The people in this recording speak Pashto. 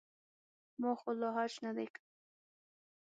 ما خو لا حج نه دی کړی.